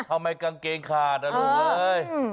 ทำไมกางเกงขาดอ่ะลูกเอ้ย